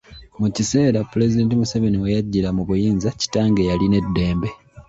Mu kiseera Pulezidenti Museveni we yajjira mu buyinza kitange yalina eddembe